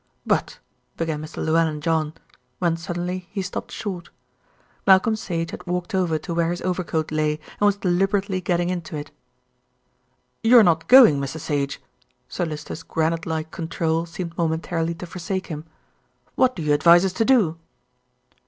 "But " began Mr. Llewellyn John, when suddenly he stopped short. Malcolm Sage had walked over to where his overcoat lay, and was deliberately getting into it. "You're not going, Mr. Sage?" Sir Lyster's granite like control seemed momentarily to forsake him. "What do you advise us to do?"